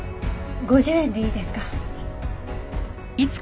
５０円でいいですか？